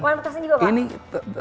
main petasan juga pak